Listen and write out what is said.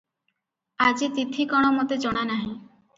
ଆଜି ତିଥି କଣ ମୋତେ ଜଣାନାହିଁ ।